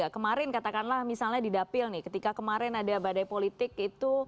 kemarin katakanlah misalnya di dapil nih ketika kemarin ada badai politik itu